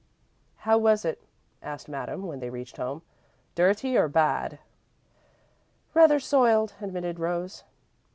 "How was it?" asked Madame, when they reached home. "Dirty and bad?" "Rather soiled," admitted Rose.